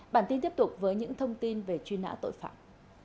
bản tin tiếp tục với những thông tin về truy nã tội phạm